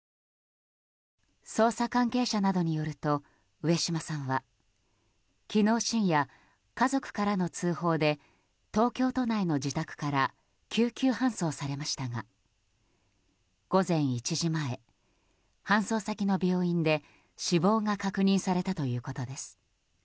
捜査関係者などによると上島さんは昨日深夜家族からの通報で東京都内の自宅から救急搬送されましたが午前１時前、搬送先の病院で死亡が確認されたということです。